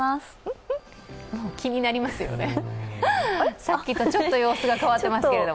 気になりますよね、さっきとちょっと様子が変わっていますけど。